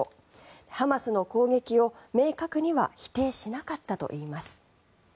ハマスの攻撃を明確には否定しなかったといいます。